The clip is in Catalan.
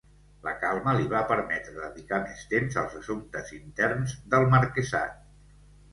La calma li va permetre dedicar més temps als assumptes interns del marquesat.